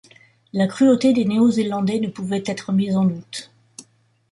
La cruauté des Néo-Zélandais ne pouvait être mise en doute.